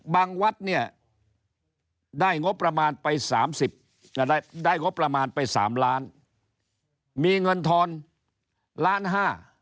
บางวัดได้งบประมาณไป๓ล้านมีเงินทอน๑๕๐๐๐๐๐บาท